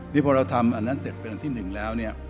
นี่พอเราทำอันนั้นเสร็จเป็นอันที่๑แล้วเนี่ย